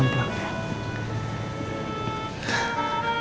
lampu lampu ya